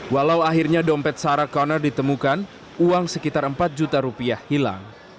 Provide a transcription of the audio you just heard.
walau akhirnya dompet sarah connor ditemukan uang sekitar empat juta rupiah hilang